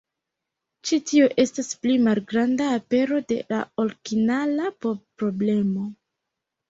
Ĉi tio estas pli malgranda apero de la originala problemo.